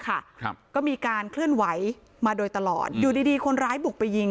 ครับก็มีการเคลื่อนไหวมาโดยตลอดอยู่ดีดีคนร้ายบุกไปยิง